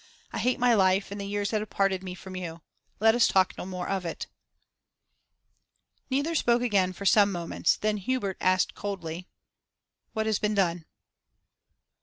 I hate my life and the years that have parted me from you. Let us talk no more of it.' Neither spoke again for some moments; then Hubert asked coldly 'What has been done?